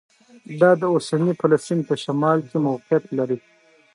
دا د اوسني فلسطین په شمال کې موقعیت لري.